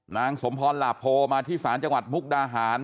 นางสมพรหลาโพมาที่ศาลจังหวัดมุกดาหาร